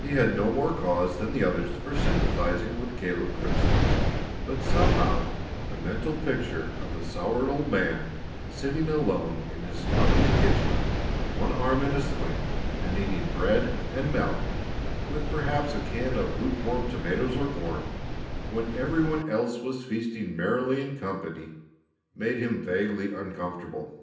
He had no more cause than the others for sympathizing with Caleb Grimstone, but somehow the mental picture of the soured old man sitting alone in his slovenly kitchen, one arm in a sling, and eating bread and milk, with perhaps a can of lukewarm tomatoes or corn, when every one else was feasting merrily in company, made him vaguely uncomfortable.